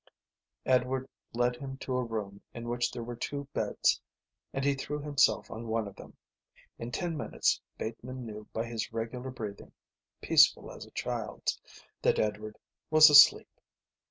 Edward led him to a room in which there were two beds and he threw himself on one of them. In ten minutes Bateman knew by his regular breathing, peaceful as a child's, that Edward was asleep.